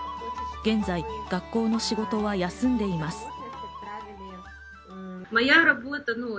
現在、学校の仕事は休んでいます。